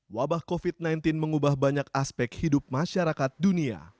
wabah covid sembilan belas mengubah banyak aspek hidup masyarakat dunia